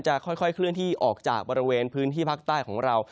ค่อยเคลื่อนที่ออกจากบริเวณพื้นที่ภาคใต้ของเรา